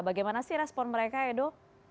bagaimana sih respon mereka edo